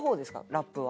ラップは。